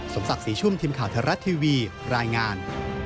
สมศักดิ์สี่ชุ่มทีมข่าวทะลัดทีวีรายงาน